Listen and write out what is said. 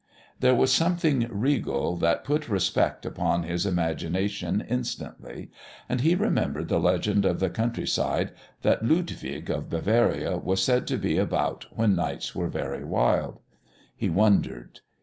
There was something regal that put respect upon his imagination instantly. And he remembered the legend of the country side that Ludwig of Bavaria was said to be about when nights were very wild. He wondered.